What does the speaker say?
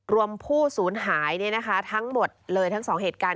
ผู้สูญหายทั้งหมดเลยทั้ง๒เหตุการณ์